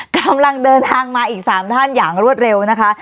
กำลังเดินทางมาอีก๓ท่านอย่างรวดเร็วนะคะ